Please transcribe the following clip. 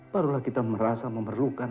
barulah kita merasa memerlukan